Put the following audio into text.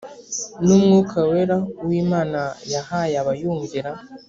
n umwuka wera uwo imana yahaye abayumvira